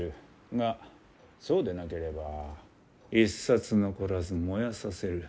がそうでなければ一冊残らず燃やさせる。